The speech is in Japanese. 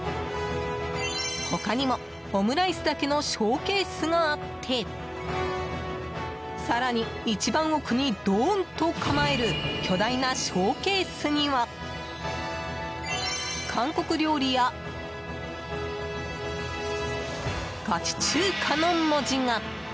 他にも、オムライスだけのショーケースがあって更に、一番奥にドーンと構える巨大なショーケースには韓国料理や、ガチ中華の文字が。